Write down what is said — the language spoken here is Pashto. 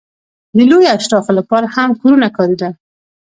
د لویو اشرافو لپاره هم کورونه کارېدل.